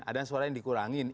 ada suara yang dikurangin